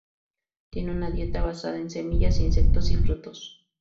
Tiene una dieta basada en semillas, insectos y frutos.